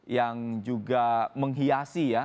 yang juga menghiasi ya